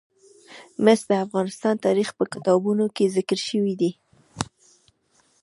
مس د افغان تاریخ په کتابونو کې ذکر شوی دي.